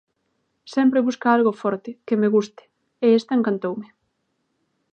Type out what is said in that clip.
Sempre busca algo forte, que me guste, e esta encantoume.